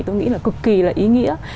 tôi nghĩ là cực kỳ là ý nghĩa